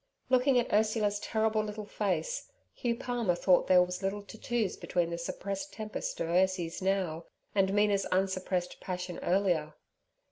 Looking at Ursula's terrible little face, Hugh Palmer thought there was little to choose between the suppressed tempest of Ursie's now and Mina's unsuppressed passion earlier.